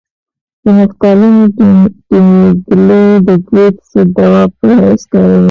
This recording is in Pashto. د نفتالینو ټېکلې د کویه ضد دوا په حیث کاروي.